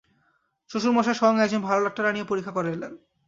শ্বশুরমশায় স্বয়ং একজন ভালো ডাক্তার আনিয়া পরীক্ষা করাইলেন।